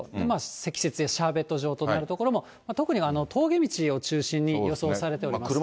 積雪でシャーベット状となる所も、特に峠道を中心に予想されております。